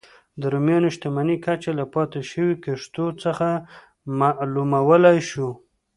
د رومیانو شتمنۍ کچه له پاتې شویو کښتیو څخه معلومولای شو